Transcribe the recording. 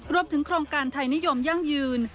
รวมถึงโครงการไทยนิยมยั่งยืน